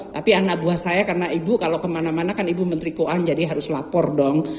tapi anak buah saya karena ibu kalau kemana mana kan ibu menteri keuangan jadi harus lapor dong